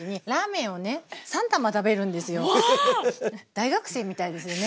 大学生みたいですよね。